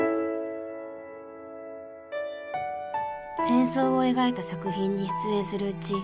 戦争を描いた作品に出演するうち